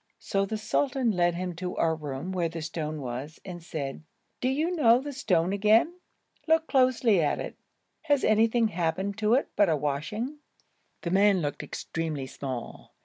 So the sultan led him to our room, where the stone was, and said: 'Do you know the stone again? Look closely at it. Has anything happened to it but a washing?' The man looked extremely small.